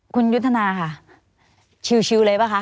คุณยุทธนาค่ะชิวเลยป่ะคะ